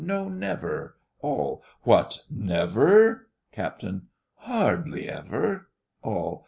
No, never! ALL. What, never! CAPT. Hardly ever! ALL.